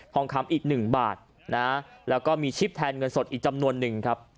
ห้องคำอีก๑บาทแล้วก็มีชิบแทนเงินสดอีกจำนวนหนึ่ง